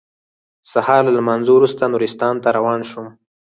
سهار له لمانځه وروسته نورستان ته روان شوم.